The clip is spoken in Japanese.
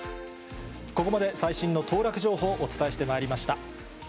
ここまで、最新の当落情報をお伝えしてまいりました。